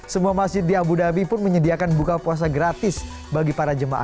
semua masjid di abu dhabi pun menyediakan buka puasa gratis bagi para jemaah